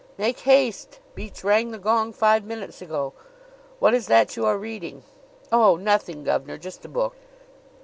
"Make haste! Beach rang the gong five minutes ago. What is that you are reading?" "Oh, nothing, gov'nor just a book."